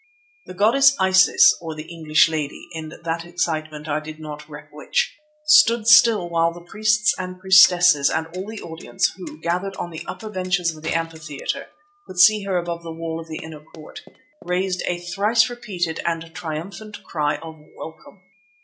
The goddess Isis, or the English lady—in that excitement I did not reck which—stood still while the priests and priestesses and all the audience, who, gathered on the upper benches of the amphitheatre, could see her above the wall of the inner court, raised a thrice repeated and triumphant cry of welcome.